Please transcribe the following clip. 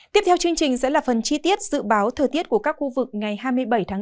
tiếp theo chương trình sẽ là phần chi tiết dự báo thời tiết của các khu vực ngày hai mươi bảy tháng bốn